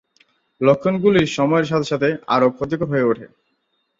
লক্ষণগুলি সময়ের সাথে সাথে আরও ক্ষতিকর হয়ে উঠে।